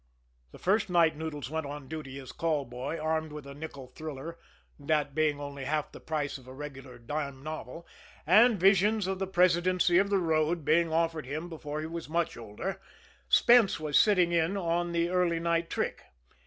The first night Noodles went on duty as call boy, armed with a nickel thriller that being only half the price of a regular dime novel and visions of the presidency of the road being offered him before he was much older, Spence was sitting in on the early night trick.